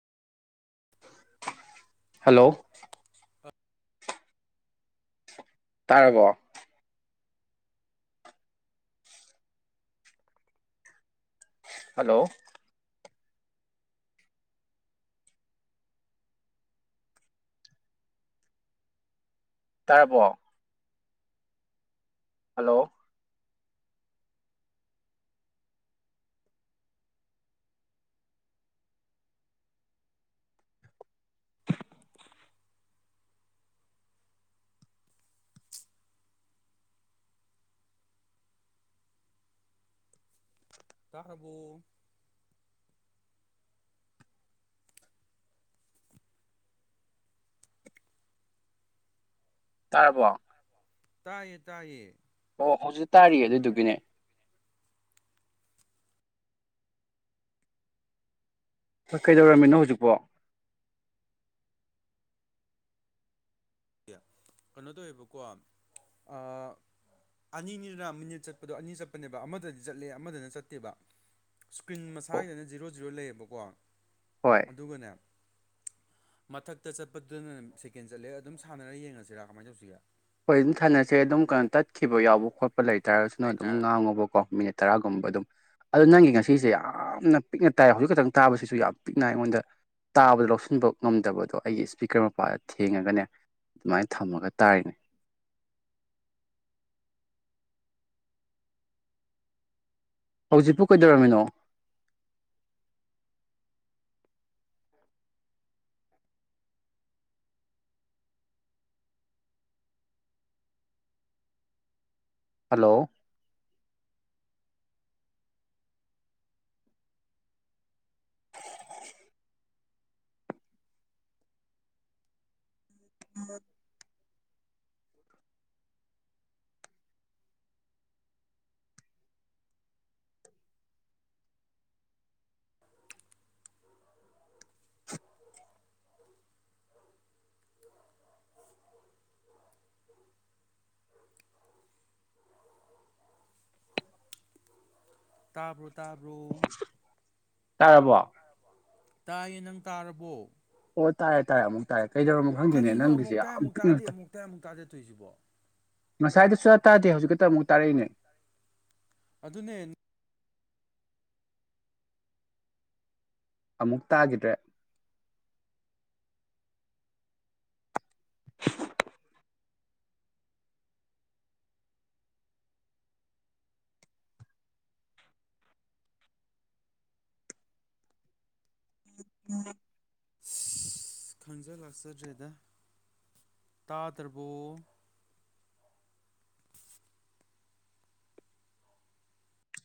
hello [unintelligible] ꯇꯥꯔꯕꯣ hello ꯇꯥꯔꯕꯣ hello ꯇꯔꯔꯕꯣ ꯇꯥꯔꯕꯣ ꯇꯥꯏ ꯇꯏ ꯑꯣ ꯍꯧꯖꯤꯛ ꯇꯥꯔꯤꯌꯦ ꯑꯗꯨꯗꯨꯒꯤꯅꯦ ꯍꯣꯏ ꯀꯩꯗꯧꯔꯝꯃꯤꯅꯣ ꯍꯧꯖꯤꯛꯐꯣ ꯀꯩꯅꯣ ꯇꯧꯋꯦꯕꯀꯣ ꯑꯥ ꯑꯅꯤꯅꯤꯅ ꯃꯤꯅꯤꯠ ꯆꯠꯄꯗꯣ ꯑꯅꯤ ꯆꯠꯄꯅꯦꯕ ꯑꯃꯗꯗꯤ ꯆꯠꯂꯦ ꯑꯃꯗꯅ ꯆꯠꯇꯦꯕ ꯏꯁꯀ꯭ꯔꯤꯟ ꯃꯁꯥꯒꯤꯗꯅ ꯖꯤꯔꯣ ꯖꯤꯔꯣ ꯂꯩꯌꯦꯕꯀꯣ ꯍꯣꯏ ꯑꯗꯨꯒꯅꯦ ꯃꯊꯛꯇ ꯆꯠꯄꯗꯨꯅ ꯁꯦꯀꯦꯟ ꯆꯠꯂꯦ ꯑꯗꯨꯝ ꯁꯥꯟꯅꯔ ꯌꯦꯡꯉꯁꯤꯔꯥ ꯀꯃꯥꯏꯅ ꯇꯧꯁꯤꯒꯦ ꯍꯣꯏ ꯑꯗꯨꯝ ꯊꯥꯅꯁꯦ ꯑꯗꯨꯝ ꯀꯩꯅꯣ ꯇꯠꯈꯤꯕ ꯌꯥꯎꯕ ꯈꯣꯠꯄ ꯂꯩꯇꯥꯥꯔꯒꯁꯨꯅ ꯑꯗꯨꯝ ꯉꯥꯡꯉꯨꯕꯀꯣ ꯃꯤꯅꯤꯠ ꯇꯔꯥꯒꯨꯝꯕ ꯑꯗꯨꯝ ꯑꯗꯨ ꯅꯪꯒꯤ ꯉꯁꯤꯁꯦ ꯌꯥꯝꯅ ꯄꯤꯛꯅ ꯇꯥꯏ ꯍꯧꯖꯤꯛ ꯈꯛꯇꯪ ꯇꯥꯕꯁꯤꯁꯨ ꯌꯥꯝ ꯄꯤꯛꯅ ꯑꯩꯉꯣꯟꯗ ꯇꯥꯕꯗ ꯂꯧꯁꯤꯟꯕ ꯉꯝꯗꯕꯗꯣ ꯑꯩꯒꯤ ꯏꯁꯄꯤꯀꯔ ꯃꯄꯥꯗ ꯊꯦꯡꯉꯒꯅꯦ ꯑꯗꯨꯃꯥꯏꯅ ꯊꯝꯃꯒ ꯇꯥꯔꯤꯅꯦ ꯍꯧꯖꯤꯛꯄꯨ ꯀꯩꯗꯧꯔꯝꯃꯤꯅꯣ ꯍꯜꯂꯣ [inaudible] ꯇꯥꯕ꯭ꯔꯣ ꯇꯥꯕ꯭ꯔꯣ ꯇꯥꯔꯕꯣ ꯇꯥꯏꯌꯦ ꯅꯪ ꯇꯥꯔꯕꯣ ꯑꯣ ꯇꯔꯦ ꯇꯥꯏꯌꯦ ꯑꯃꯨꯛ ꯇꯥꯏ ꯀꯩꯗꯧꯔꯝ ꯀꯔꯤꯅꯣ ꯑꯃꯨꯛ ꯇꯥꯏ ꯑꯃꯨꯛ ꯇꯥꯗꯦ ꯑꯃꯨꯛ ꯇꯥꯏ ꯑꯃꯨꯛ ꯇꯥꯗꯦ ꯇꯧꯔꯤꯁꯤꯕꯣ ꯉꯁꯥꯏꯗꯣ ꯁꯨꯡꯇꯥ ꯇꯥꯗꯦ ꯍꯧꯖꯤꯛ ꯈꯛꯇ ꯑꯃꯨꯛ ꯇꯥꯔꯛꯏꯅꯦ ꯑꯗꯨꯅꯦ ꯑꯃꯨꯛ ꯇꯥꯈꯤꯗ꯭ꯔꯦ [inaudible] ꯑꯁ ꯈꯪꯖ ꯂꯥꯛꯆꯗ꯭ꯔꯦꯗ ꯇꯥꯗ꯭ꯔꯕꯣ